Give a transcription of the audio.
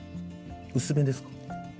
薄めですか？